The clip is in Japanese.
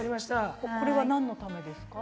これは何のためですか？